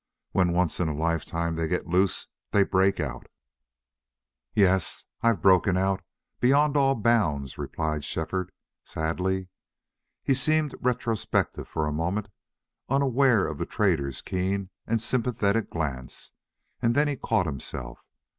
When once in a lifetime they get loose they break out." "Yes, I've broken out beyond all bounds," replied Shefford, sadly. He seemed retrospective for a moment, unaware of the trader's keen and sympathetic glance, and then he caught himself.